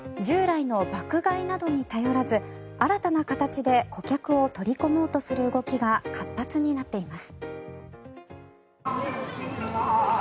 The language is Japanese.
旧来の爆買いに頼らず新たな形で顧客を取り込もうという動きが活発になっています。